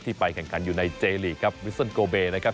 ที่ไปกันกันอยู่ในเจลีกครับวิสเตอร์โกเบนะครับ